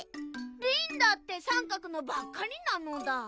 リンだってさんかくのばっかりなのだ。